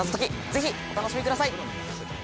ぜひお楽しみください